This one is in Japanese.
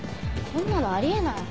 こんなのあり得ない。